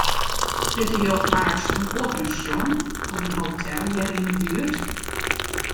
Witte jo faaks in oar pensjon of in hotel hjir yn 'e buert?